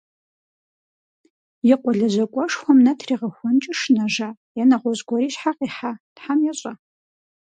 И къуэ лэжьакӀуэшхуэм нэ тригъэхуэнкӀэ шынэжа, е нэгъуэщӀ гуэр и щхьэ къихьа, Тхьэм ещӏэ.